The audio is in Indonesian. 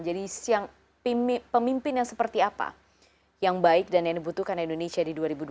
jadi pemimpin yang seperti apa yang baik dan yang dibutuhkan indonesia di dua ribu dua puluh empat